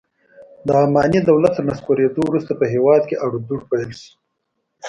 د اماني دولت تر نسکورېدو وروسته په هېواد کې اړو دوړ پیل شو.